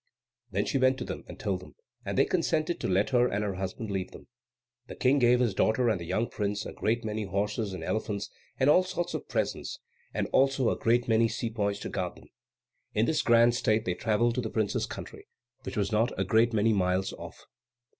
Then she went to them, and told them, and they consented to let her and her husband leave them. The King gave his daughter and the young prince a great many horses, and elephants, and all sorts of presents, and also a great many sepoys to guard them. In this grand state they travelled to the prince's country, which was not a great many miles off.